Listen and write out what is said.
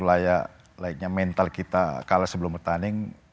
layaknya mental kita kalah sebelum bertanding